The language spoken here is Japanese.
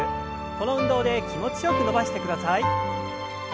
この運動で気持ちよく伸ばしてください。